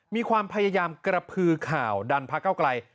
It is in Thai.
มีความพยายามกระพือข่าวดันพระเก้าไกล